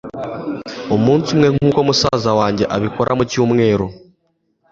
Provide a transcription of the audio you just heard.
umunsi umwe nkuko musaza wanjye abikora mucyumweru